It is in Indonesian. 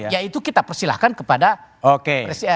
kalau kita menganggukan kepada presiden